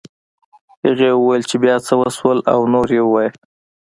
هغې وویل چې بيا څه وشول او نور یې ووایه